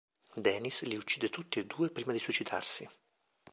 Denis li uccide tutti e due prima di suicidarsi.